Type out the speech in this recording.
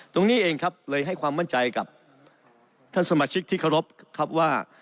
ตรงนี้เองครับเลยให้ความมั่นใจกับท่านสมาชิกที่เคารพครับว่า